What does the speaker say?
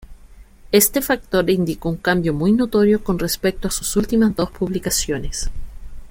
Este factor indicó un cambio muy notorio con respecto a sus últimas dos publicaciones.